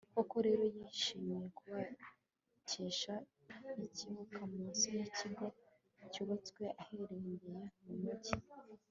koko rero, yishimiye kubakisha ikibuga mu nsi y'ikigo cyubatswe ahirengeye mu mugi